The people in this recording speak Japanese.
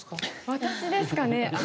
私ですかね